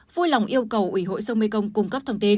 vui lòng yêu cầu ủy hội sông mê công cung cấp thông tin